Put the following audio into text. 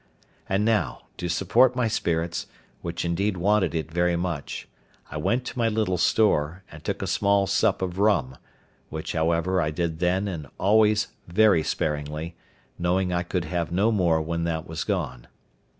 And now, to support my spirits, which indeed wanted it very much, I went to my little store, and took a small sup of rum; which, however, I did then and always very sparingly, knowing I could have no more when that was gone.